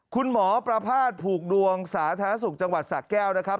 คุณหมอประภาษณ์ผูกดวงสาธารณสุขจังหวัดสะแก้วนะครับ